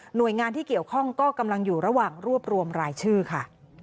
โดยงานที่เกี่ยวข้องก็กำลังอยู่ระหว่างรวบรวมรายชื่อค่ะ